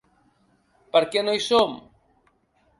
Per què no hi som?